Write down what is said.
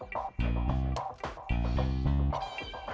nanti kita jalan jalan dulu